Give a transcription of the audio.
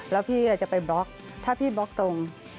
แล้วพี่จะไปบล็อกถ้าพี่บล็อกตรง